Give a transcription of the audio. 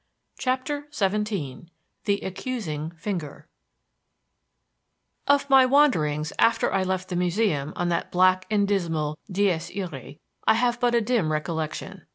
CHAPTER XVII THE ACCUSING FINGER Of my wanderings after I left the Museum on that black and dismal dies irae, I have but a dim recollection.